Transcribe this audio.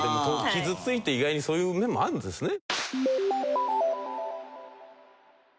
傷ついて意外にそういう面もあるんですね。